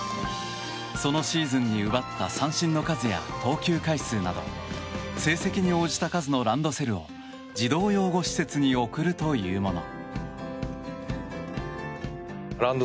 そのシーズンに奪った三振の数や投球回数など成績に応じた数のランドセルを児童養護施設に贈るというもの。